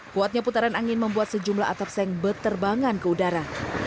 kuatnya putaran angin membuat sejumlah atap seng beterbangan ke udara